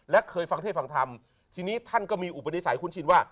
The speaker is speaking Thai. และเคยฟังเทศฟังธรรมทีนี้ท่านก็มีอุปนิสัยคุ้นชินว่า